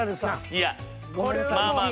いやまあまあ。